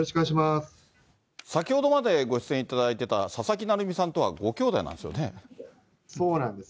先ほどまでご出演いただいていた佐々木成三さんとは、ご兄弟そうなんです。